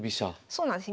そうなんです。